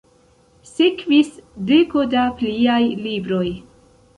Sekvis deko da pliaj libroj.